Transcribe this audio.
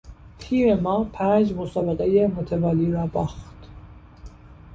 تیم ما پنج مسابقهی متوالی را باخت.